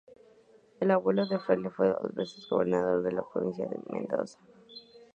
El abuelo del fraile, fue dos veces gobernador de la provincia de Mendoza.